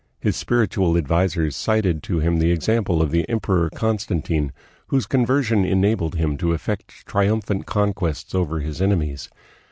His spiritual advisers cited to him the example of the Emperor Constantine whose conversion enabled him to effect triumphant conquests over his enemies.